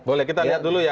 boleh kita lihat dulu ya